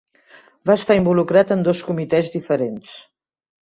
Va estar involucrat en dos comitès diferents.